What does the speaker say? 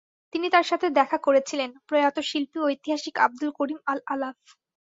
তিনি তার সাথে দেখা করেছিলেন, প্রয়াত শিল্পী ঐতিহাসিক আবদুল করিম আল-আলাফ।